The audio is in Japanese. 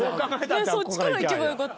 そっちから行けばよかった。